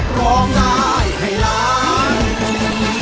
ร้องได้ให้ล้าน